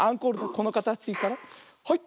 このかたちからはい。